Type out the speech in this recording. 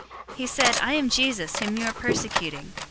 "He said, 'I am Jesus, whom you are persecuting.